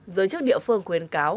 giới chức địa phương quyên cáo